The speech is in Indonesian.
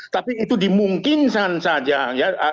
tapi itu dimungkinkan saja